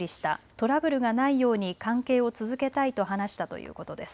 トラブルがないように関係を続けたいと話したということです。